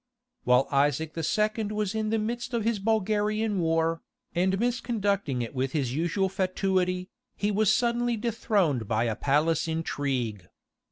While Isaac II. was in the midst of his Bulgarian war, and misconducting it with his usual fatuity, he was suddenly dethroned by a palace intrigue.